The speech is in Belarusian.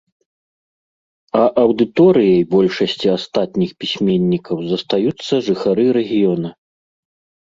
А аўдыторыяй большасці астатніх пісьменнікаў застаюцца жыхары рэгіёна.